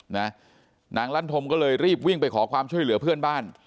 นางลั่นธมก็เลยรีบวิ่งไปขอความช่วยเหลือเพื่อนบ้าน